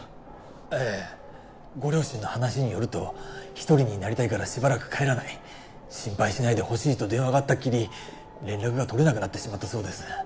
ええご両親の話によると一人になりたいからしばらく帰らない心配しないでと電話があったきり連絡がとれなくなったそうです